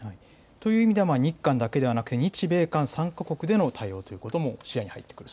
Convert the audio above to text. という意味では、日韓だけではなくて、日米韓３か国での対話ということも視野に入ってくると？